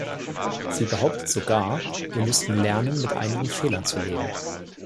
Sie behauptet sogar, wir müssten lernen, mit einigen Fehlern zu leben.